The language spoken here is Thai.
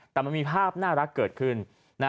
แต่มันมีภาพน่ารักเกิดขึ้น